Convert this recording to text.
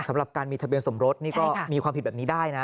สำหรับการมีทะเบียนสมรสนี่ก็มีความผิดแบบนี้ได้นะ